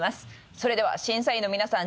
それでは審査員の皆さん